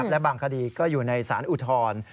และบางคดีก็อยู่ในสารอุทธรณ์